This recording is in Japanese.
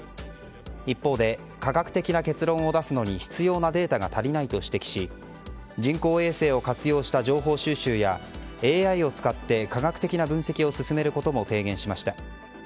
一方で科学的な結論を出すのに必要なデータが足りないと指摘し人工衛星を活用した情報収集やＡＩを使って科学的な分析を進めることも提言しました。